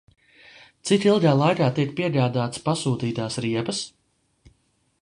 Cik ilgā laikā tiek piegādātas pasūtītās riepas?